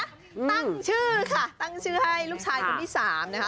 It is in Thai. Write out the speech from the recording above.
ตั้งชื่อค่ะตั้งชื่อให้ลูกชายคนที่สามนะคะ